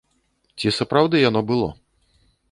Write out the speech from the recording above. Ці сапраўды яно было?